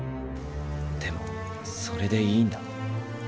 でもそれでいいんだ。